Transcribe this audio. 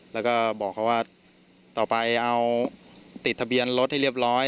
แล้วก็บอกเขาว่าต่อไปเอาติดทะเบียนรถให้เรียบร้อย